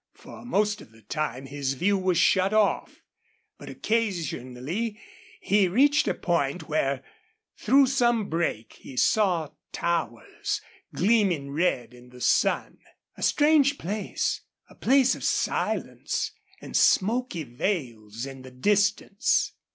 For most of the time his view was shut off, but occasionally he reached a point where through some break he saw towers gleaming red in the sun. A strange place, a place of silence, and smoky veils in the distance.